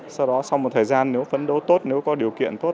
sau đó sau một thời gian nếu phấn đấu tốt nếu có điều kiện tốt